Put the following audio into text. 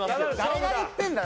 誰が言ってんだ？